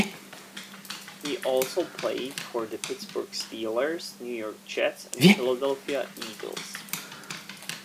He also played for the Pittsburgh Steelers, New York Jets, and Philadelphia Eagles.